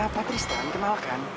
patristan kenal kan